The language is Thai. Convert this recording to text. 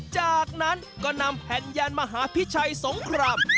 จากนั้นก็นำแผ่นยันมหาพิชัยสงคราม